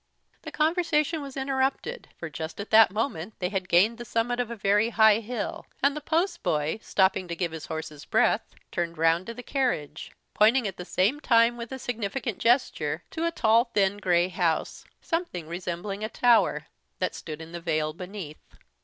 The conversation was interrupted; for just at that moment they had gained the summit of a very high hill, and the post boy, stopping to give his horses breath, turned round to the carriage, pointing at the same time, with a significant gesture, to a tall thin gray house, something resembling a tower, that stood in the vale beneath.